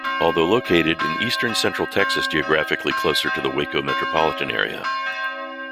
Although located in eastern Central Texas geographically closer to the Waco metropolitan area.